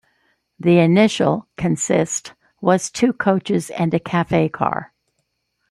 The initial consist was two coaches and a cafe car.